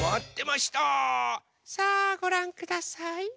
さあごらんください。